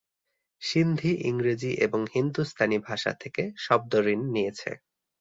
সিন্ধি ইংরেজি এবং হিন্দুস্তানি ভাষা থেকে শব্দ ঋণ নিয়েছে।